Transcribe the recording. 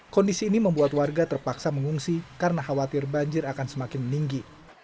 kondisi ini membuat warga terpaksa mengungsi karena khawatir banjir akan semakin meninggi